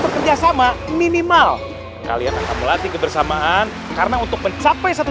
bekerja sama minimal kalian akan melatih kebersamaan karena untuk mencapai satu